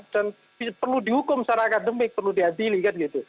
dan perlu dihukum secara akademik perlu diadili kan gitu